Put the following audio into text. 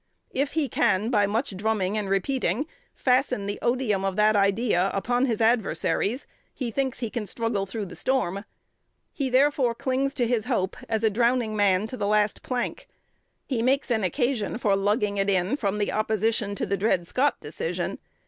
If he can, by much drumming and repeating, fasten the odium of that idea upon his adversaries, he thinks he can struggle through the storm. He therefore clings to his hope, as a drowning man to the last plank. He makes an occasion for lugging it in from the opposition to the Dred Scott Decision.